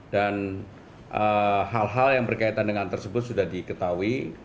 dan hal hal yang berkaitan dengan tersebut sudah diketahui